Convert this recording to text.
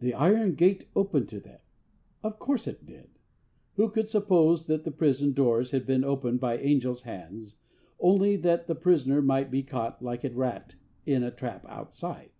V 'The iron gate opened to them.' Of course it did. Who could suppose that the prison doors had been opened by angel's hands, only that the prisoner might be caught like a rat in a trap outside?